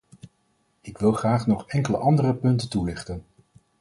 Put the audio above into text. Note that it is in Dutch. Ik wil graag nog enkele andere punten toelichten.